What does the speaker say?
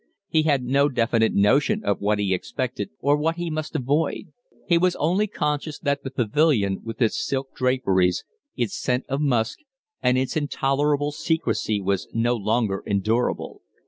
He had no definite notion of what he expected or what he must avoid. He was only conscious that the pavilion, with its silk draperies, its scent of musk, and its intolerable secrecy, was no longer endurable.